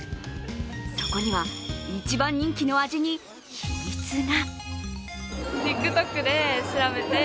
そこには一番人気の味に秘密が。